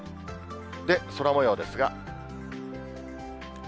空もようですが。